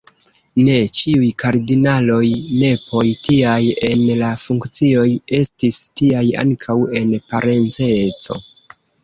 Ne ĉiuj kardinaloj nepoj, tiaj en la funkcioj, estis tiaj ankaŭ en parenceco.